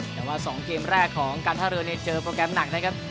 แต่ว่า๒เกมแรกของการท่าเรือเนี่ยเจอโปรแกรมหนักนะครับ